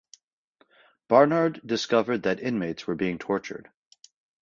Barnard discovered that inmates were being tortured.